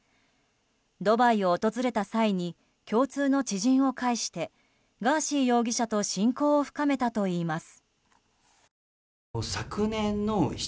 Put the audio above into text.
ドバイを訪れた際に共通の知人を介してガーシー容疑者と親交を深めたといいます。